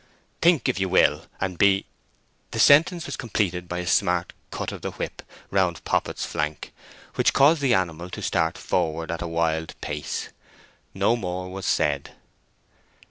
"Think if you will, and be—" The sentence was completed by a smart cut of the whip round Poppet's flank, which caused the animal to start forward at a wild pace. No more was said.